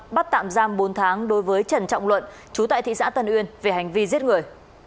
bắt tạm giam bốn tháng đối với trần trọng luận chú tại thị xã tân uyên về hành vi giết người